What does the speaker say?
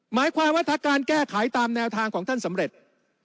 หมายความว่าถ้าการแก้ไขตามแนวทางของท่านสำเร็จ